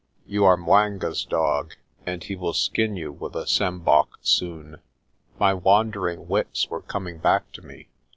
You are 'Mwanga's dog and he will skin you with a sjambok soon." My wandering wits were coming back to me.